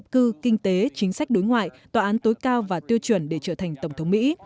cư kinh tế chính sách đối ngoại tòa án tối cao và tiêu chuẩn để trở thành tổng thống mỹ